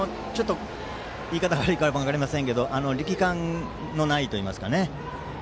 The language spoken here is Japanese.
言い方が悪いかもしれませんが力感のないといいますかね。